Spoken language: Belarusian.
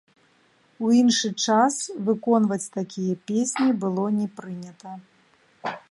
У іншы час выконваць такія песні было не прынята.